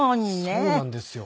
そうなんですよ。